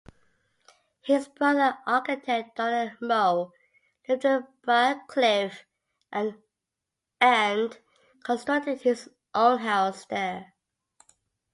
His brother, architect Donald Mow, lived in Briarcliff and constructed his own house there.